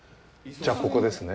じゃあ、ここですね？